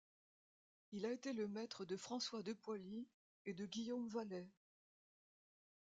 Il a été le maître de François de Poilly et de Guillaume Vallet.